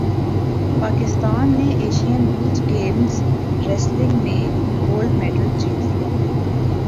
پاکستان نےایشئین beach games wrestling میں gold medal جیت لیا